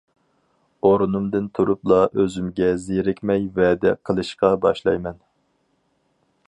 ئورنۇمدىن تۇرۇپلا ئۆزۈمگە زېرىكمەي ۋەدە قىلىشقا باشلايمەن.